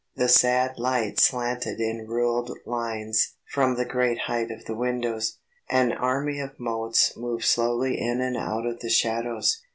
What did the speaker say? The sad light slanted in ruled lines from the great height of the windows; an army of motes moved slowly in and out of the shadows.